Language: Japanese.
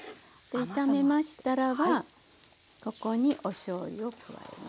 炒めましたらばここにおしょうゆを加えます。